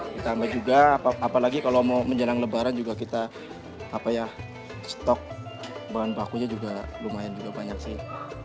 ditambah juga apalagi kalau mau menjelang lebaran juga kita apa ya stok bahan bakunya juga lumayan juga banyak sih